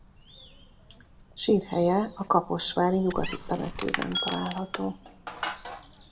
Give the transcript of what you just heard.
Sírhelye a kaposvári Nyugati temetőben található.